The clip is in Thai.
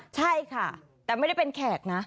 ใช่ค่ะแต่ไม่ได้เป็นแขกนะ